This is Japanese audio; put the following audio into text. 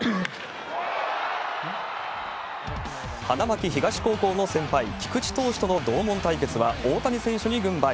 花巻東高校の先輩、菊池投手との同門対決は、大谷選手に軍配。